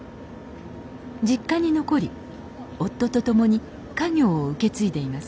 実家に残り夫と共に家業を受け継いでいます